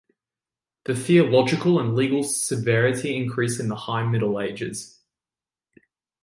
The theological and legal severity increased in the High Middle Ages.